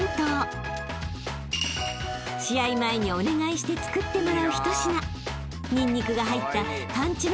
［試合前にお願いして作ってもらう一品］